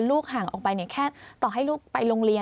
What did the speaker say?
ลูกห่างออกไปเนี่ยแค่ต่อให้ลูกไปโรงเรียน